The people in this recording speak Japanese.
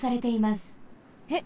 えっ？